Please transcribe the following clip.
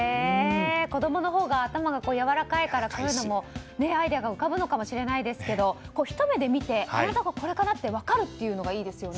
子供のほうが頭がやわらかいからアイデアが浮かぶのかもしれないけどひと目で見て、これかなって分かるのがいいですよね。